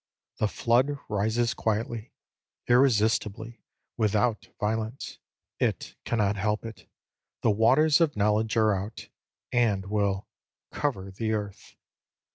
The flood rises quietly, irresistibly, without violence it cannot help it the waters of knowledge are out, and will "cover the earth."